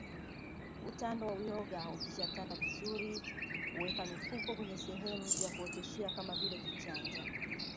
Utando wa uyoga ukishatanda vizuri weka mifuko kwenye sehemu ya kuoteshea kama vile kichanja